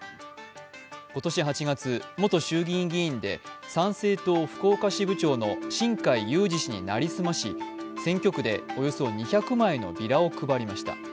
今年８月、元衆議院議員で参政党福岡支部長の新開裕司氏に成り済まし選挙区で、およそ２００枚のビラを配りました。